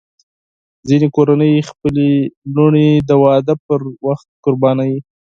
ځینې کورنۍ خپلې لوڼې د واده پر وخت قربانوي.